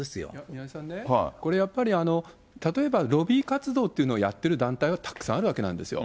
宮根さんね、これやっぱり、例えばロビー活動っていうのをやっている団体はたくさんあるわけなんですよ。